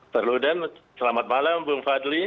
perludem selamat malam bung fadli